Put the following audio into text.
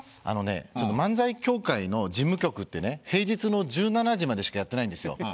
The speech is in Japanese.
あのねちょっと漫才協会の事務局ってね平日の１７時までしかやってないんですよ。